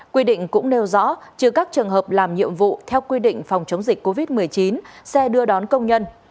quy định cũng nêu rõ trừ các trường hợp làm nhiệm vụ theo quy định phòng chống dịch covid một mươi chín xe đưa đón công nhân